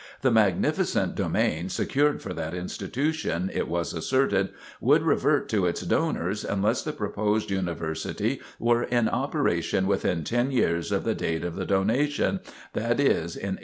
The magnificent domain secured for that institution, it was asserted, would revert to its donors unless the proposed University were in operation within ten years of the date of the donation, that is, in 1868.